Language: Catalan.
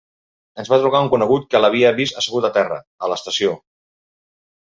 Ens va trucar un conegut que l'havia vist assegut a terra, a l'estació.